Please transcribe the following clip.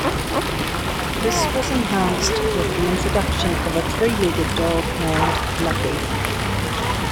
This was enhanced with the introduction of a three-legged dog named Lucky.